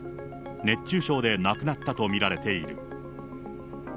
熱中症で亡くなったと見られている。